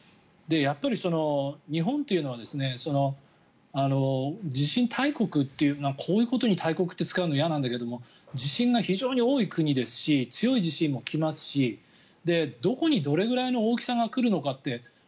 やっぱり日本というのは地震大国というこういうことに大国って使うの嫌なんだけど地震が非常に多い国ですし強い地震も来ますしどこにどれぐらいの大きさが来るのかって